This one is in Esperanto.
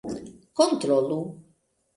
kontrolu